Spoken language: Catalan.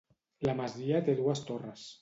La masia té dues torres.